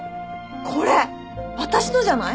これ私のじゃない？